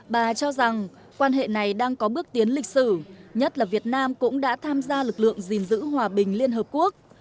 bà cho rằng quan hệ này đang có bước tiến lịch sử nhất là việt nam cũng đã tham gia lực lượng gìn giữ hòa bình liên hợp quốc